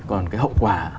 còn cái hậu quả